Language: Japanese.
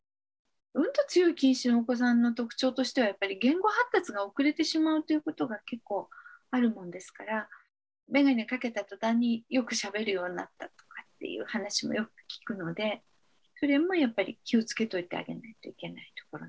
うんと強い近視のお子さんの特徴としてはやっぱり言語発達が遅れてしまうということが結構あるもんですからめがねかけた途端によくしゃべるようになったとかっていう話もよく聞くのでそれもやっぱり気をつけといてあげないといけないところになります。